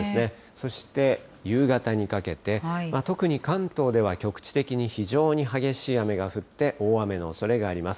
そして、夕方にかけて、特に関東では局地的に非常に激しい雨が降って、大雨のおそれがあります。